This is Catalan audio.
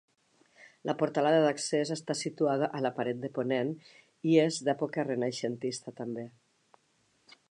La portalada d'accés està situada a la paret de ponent i és d'època renaixentista també.